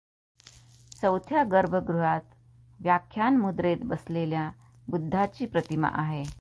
चौथ्या गर्भगृहात व्याख्यान मुद्रेत बसलेल्या बुद्धाची प्रतिमा आहे.